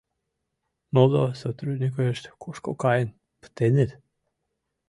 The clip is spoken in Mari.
— Моло сотрудникышт кушко каен пытеныт?